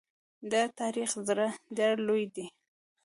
د تاریخ زړه ډېر لوی دی.